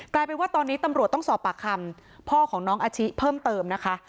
กลายเป็นว่าตอนนี้ตำรวจต้องสอบปากคำพ่อของน้องอาชิเพิ่มเติมนะคะ